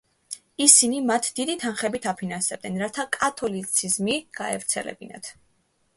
ისინი მათ დიდი თანხებით აფინანსებდნენ, რათა კათოლიციზმი გაევრცელებინათ.